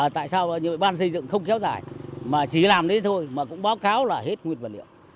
tại sao ban xây dựng không kéo dài mà chỉ làm đấy thôi mà cũng báo cáo là hết nguyên vật liệu